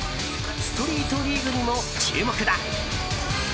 ストリートリーグにも注目だ。